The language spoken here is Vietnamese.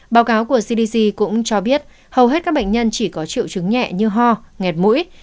báo cáo của cdc cũng cho biết hầu hết các bệnh nhân chỉ có triệu chứng nhẹ như ho ngẹt mũi